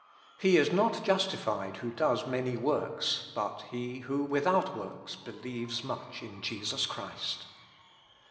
"He is not justified who does many works; but he who, without works, believes much in Jesus Christ.